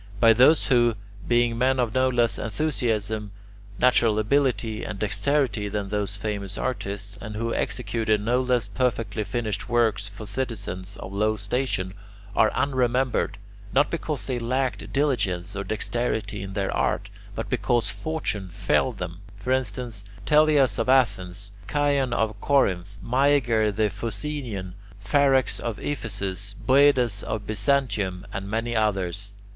But those who, being men of no less enthusiasm, natural ability, and dexterity than those famous artists, and who executed no less perfectly finished works for citizens of low station, are unremembered, not because they lacked diligence or dexterity in their art, but because fortune failed them; for instance, Teleas of Athens, Chion of Corinth, Myager the Phocaean, Pharax of Ephesus, Boedas of Byzantium, and many others.